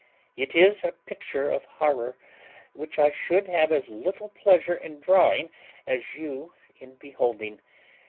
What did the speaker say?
It is a picture of horror, which I should have as little pleasure in drawing as you in beholding.